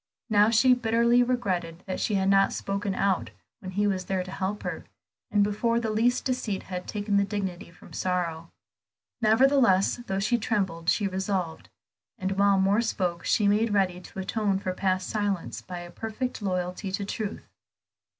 Now she bitterly regretted that she had not spoken out when he was there to help her, and before the least deceit had taken the dignity from sorrow. Nevertheless, though she trembled she resolved; and while Moor spoke on, she made ready to atone for past silence by a perfect loyalty to truth.